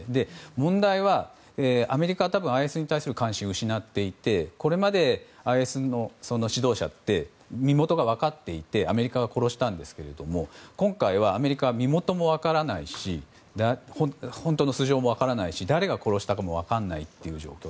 問題は、アメリカは多分、ＩＳに対する関心を失っていてこれまでＩＳの指導者って身元が分かっていてアメリカが殺したんですが今回はアメリカは身元も分からないし本当の素性も分からないし誰が殺したかも分からない状況。